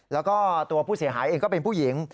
แล้วก็ตัวผู้เสียหายเองก็เป็นผู้หญิง